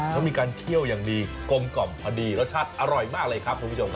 เขามีการเคี่ยวอย่างดีกลมกล่อมพอดีรสชาติอร่อยมากเลยครับคุณผู้ชมครับ